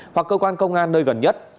hoặc cơ quan công an nơi gần nhất